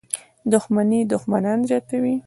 • دښمني دښمنان زیاتوي.